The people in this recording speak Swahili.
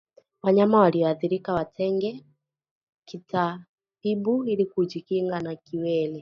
Wanyama walioathirika watengwe kitabibu ili kujikinga na kiwele